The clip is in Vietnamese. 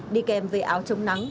đi kèm với áo trông nắng